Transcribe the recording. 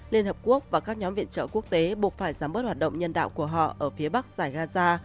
liên hợp quốc và các nhóm viện trợ quốc tế buộc phải giảm bớt hoạt động nhân đạo của họ ở phía bắc giải gaza